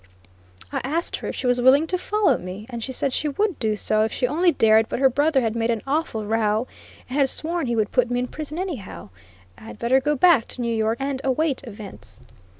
I asked her if she was willing to follow me, and she said she would do so if she only dared but her brother had made an awful row, and had sworn he would put me in prison anyhow; I had better go back to New York and await events.